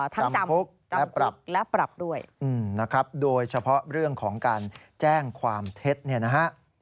ทั้งจำพุกและปรับด้วยนะครับโดยเฉพาะเรื่องของการแจ้งความเท็จ